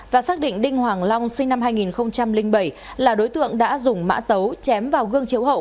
và xác định đinh hoàng long sinh năm hai nghìn bảy là đối tượng đã dùng mã tấu chém vào gương chiếu hậu